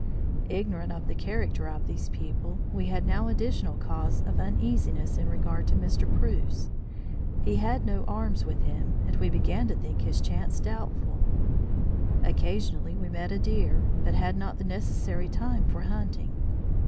Ignorant of the character of these people, we had now additional cause of uneasiness in regard to Mr. Preuss; he had no arms with him, and we began to think his chance doubtful. Occasionally we met deer, but had not the necessary time for hunting.